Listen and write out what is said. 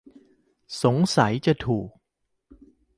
สงสัยจะถูก